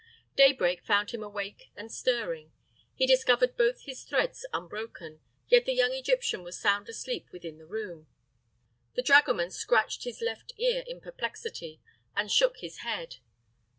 Daybreak found him awake and stirring. He discovered both his threads unbroken, yet the young Egyptian was sound asleep within the room. The dragoman scratched his left ear in perplexity and shook his head.